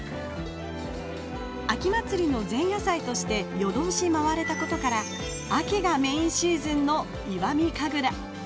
秋祭りの前夜祭として夜通し舞われたことから秋がメインシーズンの石見神楽。